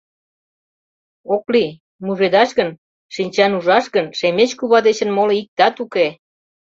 Ок лий: мужедаш гын, шинчанужаш гын, Шемеч кува дечын моло иктат уке.